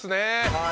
はい。